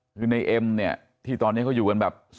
คือในเอ็มเนี่ยที่ตอนนี้เขาอยู่กันแบบ